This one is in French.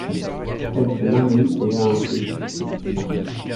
Elle se marie et a un fils.